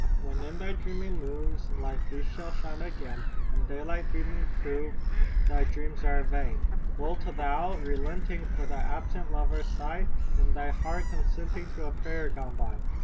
"When in thy dreaming moons like these shall shine again, And daylight beaming prove thy dreams are vain, Wilt thou not, relenting, for thy absent lover sigh? In thy heart consenting to a prayer gone by!